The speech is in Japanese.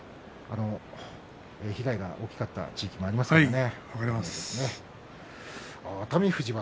被害が大きかった地域でもありましたからね。